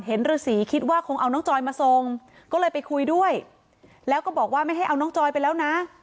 ฤษีคิดว่าคงเอาน้องจอยมาส่งก็เลยไปคุยด้วยแล้วก็บอกว่าไม่ให้เอาน้องจอยไปแล้วนะ